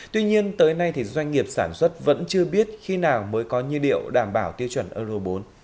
tuy nhiên tới nay doanh nghiệp sản xuất vẫn chưa biết khi nào mới có nhiên liệu đảm bảo tiêu chuẩn euro bốn